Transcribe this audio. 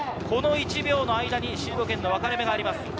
この１秒の間にシード権のわかれ目があります。